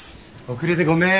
遅れてごめん。